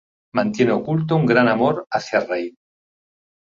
Mantiene oculto un gran amor hacia Reid.